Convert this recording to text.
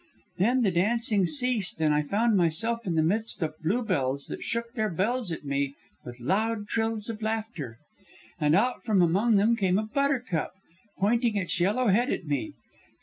Then the dancing ceased, and I found myself in the midst of bluebells that shook their bells at me with loud trills of laughter. And out from among them, came a buttercup, pointing its yellow head at me.